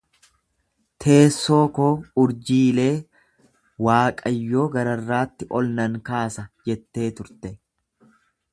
Teessoo koo urjiilee Waaqayyoo gararraatti ol nan kaasa jettee turte.